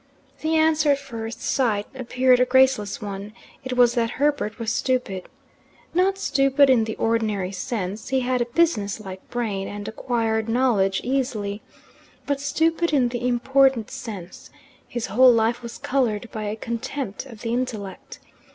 The answer at first sight appeared a graceless one it was that Herbert was stupid. Not stupid in the ordinary sense he had a business like brain, and acquired knowledge easily but stupid in the important sense: his whole life was coloured by a contempt of the intellect.